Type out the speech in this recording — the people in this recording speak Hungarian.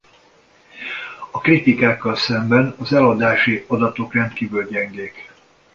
A kritikákkal szemben az eladási adatok rendkívül gyengék.